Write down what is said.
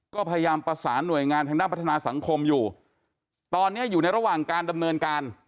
ก็พยายามประสานหน่วยงานทางด้านพัฒนาสังคมอยู่ตอนนี้อยู่ในระหว่างการดำเนินการ